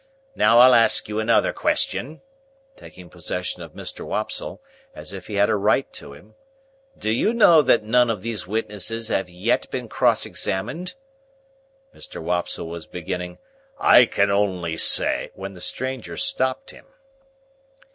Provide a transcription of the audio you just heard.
Now, I'll ask you another question,"—taking possession of Mr. Wopsle, as if he had a right to him,—"do you know that none of these witnesses have yet been cross examined?" Mr. Wopsle was beginning, "I can only say—" when the stranger stopped him.